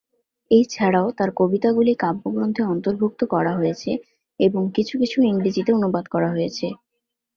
এছাড়াও, তার কবিতাগুলি কাব্যগ্রন্থে অন্তর্ভুক্ত করা হয়েছে এবং কিছু কিছু ইংরেজিতে অনুবাদ করা হয়েছে।